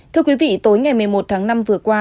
thưa quý vị tối ngày một mươi một tháng năm vừa qua